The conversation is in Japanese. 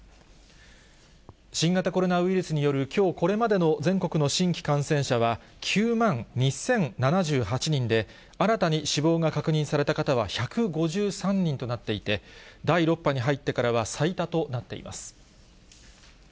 新型コロナウイルスによるきょうこれまでの全国の新規感染者は、９万２０７８人で、新たに死亡が確認された方は１５３人となっていて、第６波に入ってからは最多となっています。